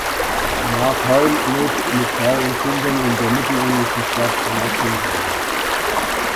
Mark Hoyle lebt mit Frau und Kindern in der mittelenglischen Stadt Nottingham.